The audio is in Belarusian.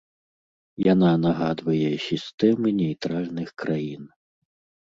Яна нагадвае сістэмы нейтральных краін.